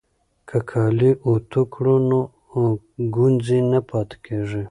که کالي اوتو کړو نو ګونځې نه پاتې کیږي.